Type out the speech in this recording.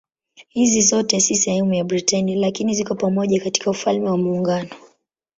Hizi zote si sehemu ya Britania lakini ziko pamoja katika Ufalme wa Muungano.